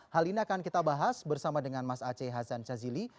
hal ini akan kita bahas bersama dengan mas aceh hazan cazili